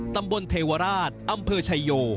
ตำบลเทวราชอำเภอชายโย